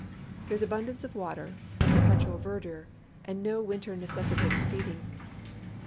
There is abundance of water, a jicrpetual verdure, and no winter necessitating feeding.